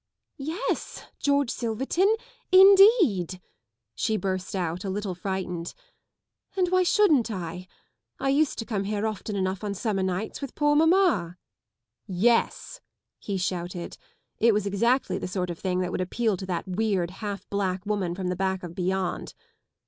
" 14 Yes, George Silverton, indeed! " she burst out, a little frightened. " And why shouldn't I? I used to come here often enough on summer nights with poor Mamma ŌĆö "" Yesl " he shouted. It was exactly the sort of thing that would appeal to that weird half black woman from the back of beyond.